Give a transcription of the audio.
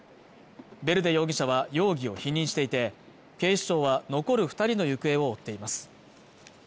ヴェルデ容疑者は容疑を否認していて警視庁は残る二人の行方を追っています